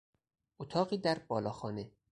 اتاقی در بالاخانه